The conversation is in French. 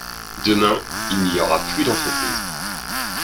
Demain, il n’y aura plus d’entreprises